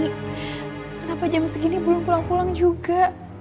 kenapa jam segini belum pulang pulang juga